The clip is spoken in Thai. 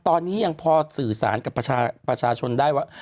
ตอนนี้ยังพอสื่อสารกับประชาชนได้ว่า